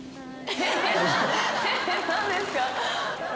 何ですか？